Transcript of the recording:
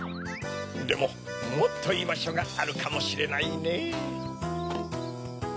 でももっといいばしょがあるかもしれないねぇ。